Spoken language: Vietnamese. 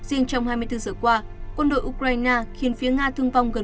riêng trong hai mươi bốn giờ qua quân đội ukraine khiến phía nga thương vong gần